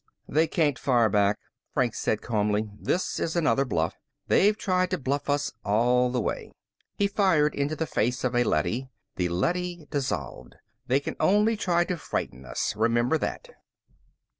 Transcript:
"They can't fire back," Franks said calmly. "This is another bluff. They've tried to bluff us all the way." He fired into the face of a leady. The leady dissolved. "They can only try to frighten us. Remember that."